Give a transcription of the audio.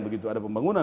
begitu ada pembangunan